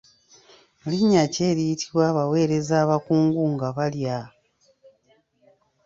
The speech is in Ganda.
Linnya ki eriyitibwa abaweereza abakungu nga balya?